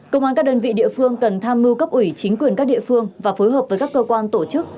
công an các đơn vị địa phương cần tham mưu cấp ủy chính quyền các địa phương và phối hợp với các cơ quan tổ chức